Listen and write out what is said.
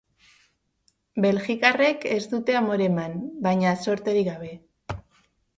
Belgikarrek ez dute amore eman, baina zorterik gabe.